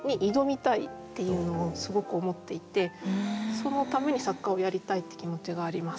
そのために作家をやりたいって気持ちがあります。